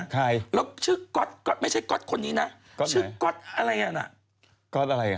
ก็ขึ้นได้กินกันเลย